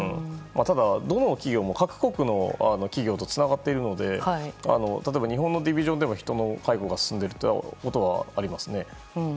どの企業も各国の企業とつながっているので例えば日本のディビジョンでも人の解雇が進んでいるということがありますね。